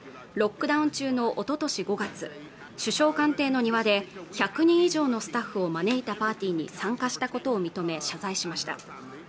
ロックダウン中のおととし５月首相官邸の庭で１００人以上のスタッフを招いたパーティーに参加したことを認め謝罪しました